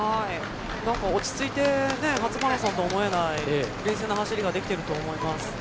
落ち着いて初マラソンとは思えない冷静な走りができていると思います。